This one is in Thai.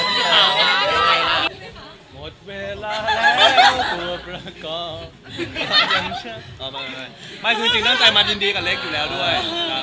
ไม่คือจริงนั่งใจมันยินดีกับเล็กอยู่แล้วด้วย